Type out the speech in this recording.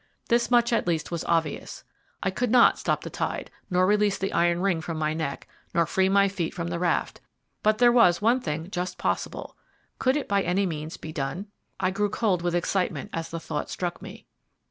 This much at least was obvious. I could not stop the tide, nor release the iron ring from my neck, nor free my feet from the raft; but there was one thing just possible. Could it by any means be done? I grew cold with excitement as the thought struck me.